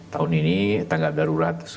tahun ini tanggal darurat